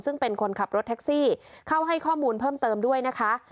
ซึ่งเป็นคนขับรถแท็กซี่เข้าให้ข้อมูลเพิ่มเติมด้วยนะคะ